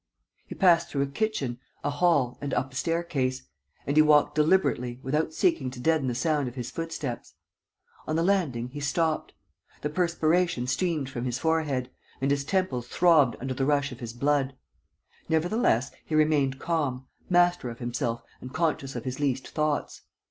He passed through a kitchen, a hall and up a staircase; and he walked deliberately, without seeking to deaden the sound of his footsteps. On the landing, he stopped. The perspiration streamed from his forehead; and his temples throbbed under the rush of his blood. Nevertheless, he remained calm, master of himself and conscious of his least thoughts.